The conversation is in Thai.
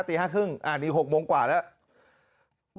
ตี๕๓๐นี่๖โมงกว่าแล้ว